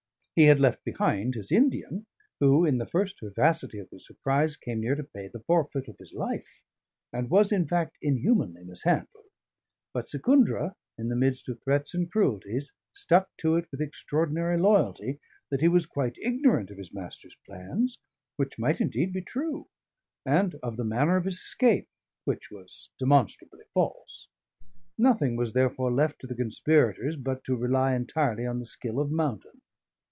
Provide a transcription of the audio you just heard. He had left behind his Indian, who (in the first vivacity of the surprise) came near to pay the forfeit of his life, and was, in fact, inhumanly mishandled; but Secundra, in the midst of threats and cruelties, stuck to it with extraordinary loyalty, that he was quite ignorant of his master's plans, which might indeed be true, and of the manner of his escape, which was demonstrably false. Nothing was therefore left to the conspirators but to rely entirely on the skill of Mountain.